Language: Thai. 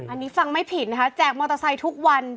อันนี้ฟังไม่ผิดนะคะแจกมอเตอร์ไซค์ทุกวัน